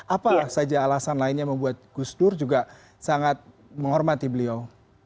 apa saja alasan lainnya membuat gus dur juga sangat menghormati beliau